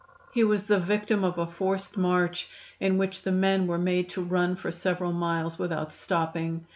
He was the victim of a forced march in which the men were made to run for several miles without stopping.